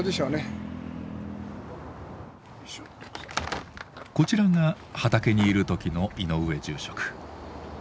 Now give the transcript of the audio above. こちらが畑にいる時の井上住職。